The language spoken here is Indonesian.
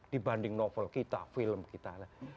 dibanding novel kita film kita